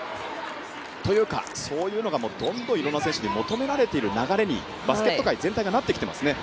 そういうのがどんどんいろんな選手に求められている流れにバスケット界全体がなっていますね。